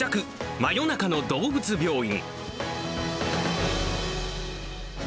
真夜中の動物病院。